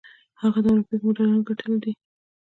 هغه د المپیک مډالونه ګټلي دي.